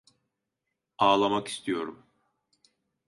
Ağlamak istiyorum.